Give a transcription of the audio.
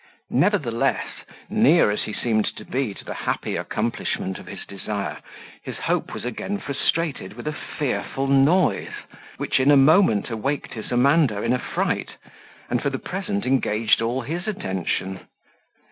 Nevertheless, near as he seemed to be to the happy accomplishment of his desire, his hope was again frustrated with a fearful noise, which in a moment awaked his Amanda in a fright, and for the present engaged all his attention.